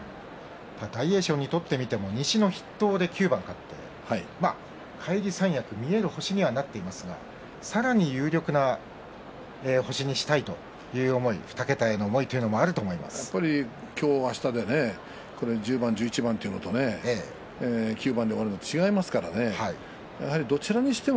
大栄翔にとってみても西の筆頭で９番勝って返り三役、見える星にはなっていますがさらには有力な星にしたいという思い、２桁への思いもやっぱり今日、明日で１０番、１１番というのと９番で終わるのとは違いますからね。